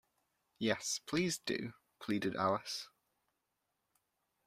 ‘Yes, please do!’ pleaded Alice.